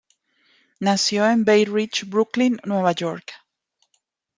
Nació en Bay Ridge, Brooklyn, Nueva York.